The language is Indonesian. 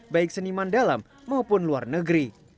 baik seniman dalam maupun luar negeri